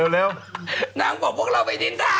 เร็วนางบอกว่าพวกเราไปดินทานะ